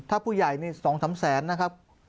ถ้าเพื่อนใหญ่๒สามแสนน่ะครับ